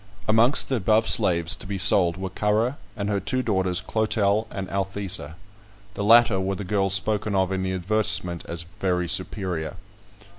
Amongst the above slaves to be sold were Currer and her two daughters, Clotel and Althesa; the latter were the girls spoken of in the advertisement as "very superior."